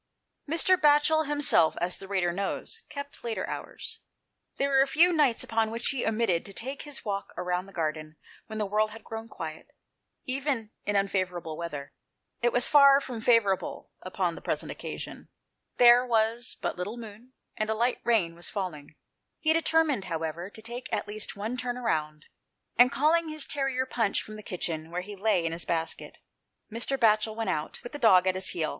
Mr. Batchel himself, as the reader knows, kept later hours. There were few nights upon which he omitted to take his walk round the garden when the world had grown quiet, even in unfavourable weather. It was far from favourable upon the present occasion; there 160 THE PLACE OP SAFETY. was but little moon, and a light rain was falling. He determined, however, to take at least one turn round, and calling his terrier Punch from the kitchen, where he lay in his basket, Mr. Batchel went out, with the dog at his heel.